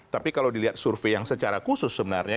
tapi kalau dilihat survei yang secara khusus sebenarnya